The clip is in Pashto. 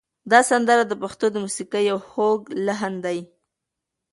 دا سندره د پښتنو د موسیقۍ یو خوږ لحن دی.